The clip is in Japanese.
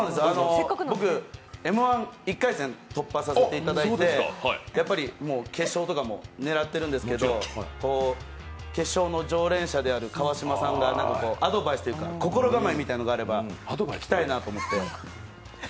僕Ｍ−１、１回戦突破させていただいてやっぱり決勝とかも狙ってるんですけど、決勝の常連者である川島さんからアドバイスというか心構えみたいなものがあれば聞きたいなと思って。